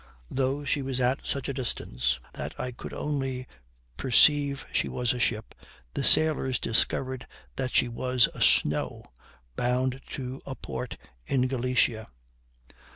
Though she was at such a distance that I could only perceive she was a ship, the sailors discovered that she was a snow, bound to a port in Galicia.